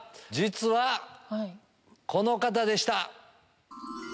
実はこの方でした！